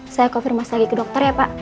saya konfirmasi lagi ke dokter ya pak